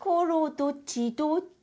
「どっちどっち？」